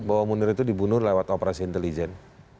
bahwa munir itu dibunuh lewat operasi intelijen